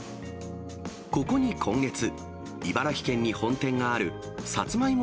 ここに今月、茨城県に本店があるサツマイモ